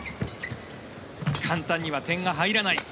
簡単には点が入らない。